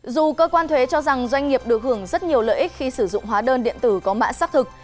dù cơ quan thuế cho rằng doanh nghiệp được hưởng rất nhiều lợi ích khi sử dụng hóa đơn điện tử có mã xác thực